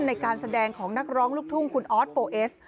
ในการแสดงของนักร้องลูกทุ่งคุณออสโฟเอส